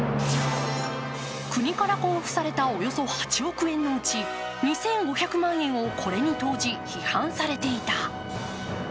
国から交付されたおよそ８億円のうち、２５００万円をこれに投じ批判されていた。